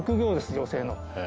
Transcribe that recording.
女性の。